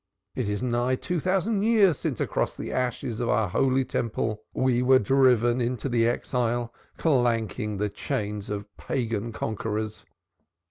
It is nigh two thousand years since across the ashes of our Holy Temple we were driven into the Exile, clanking the chains of Pagan conquerors.